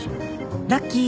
ラッキー。